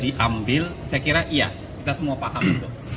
saya kira iya kita semua paham itu